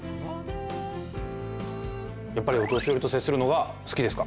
やっぱりお年寄りと接するのが好きですか？